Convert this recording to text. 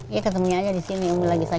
iya ketemunya aja di sini